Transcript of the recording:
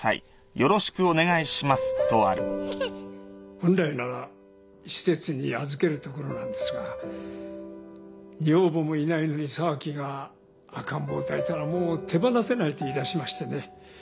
本来なら施設に預けるところなんですが女房もいないのに沢木が赤ん坊を抱いたらもう手放せないと言いだしましてね